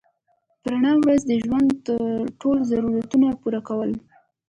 په رڼا ورځ د ژوند ټول ضرورتونه پوره کول